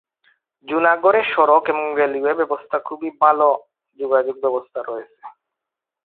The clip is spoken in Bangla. জুনাগড় এ সড়ক এবং রেলওয়ে ব্যবস্থা খুবই ভাল যোগাযোগ ব্যবস্থা রয়েছে।